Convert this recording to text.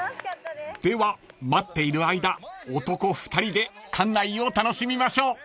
［では待っている間男２人で館内を楽しみましょう］